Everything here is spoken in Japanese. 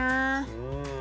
うん。